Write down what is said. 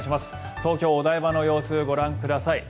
東京・お台場の様子ご覧ください。